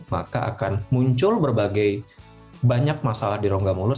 maka akan muncul berbagai banyak masalah di rongga mulus